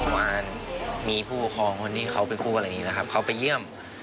วันมีผู้ปกครองคนที่เขาเป็นคู่อะไรอย่างนี้นะครับเขาไปเยี่ยม